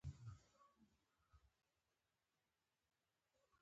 طبیعت او چاپیریال